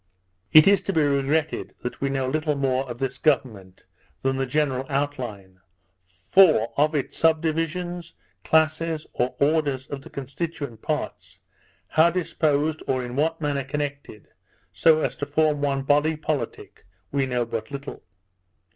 It is to be regretted, that we know little more of this government than the general out line; for, of its subdivisions, classes, or orders of the constituent parts, how disposed, or in what manner connected, so as to form one body politic, we know but little.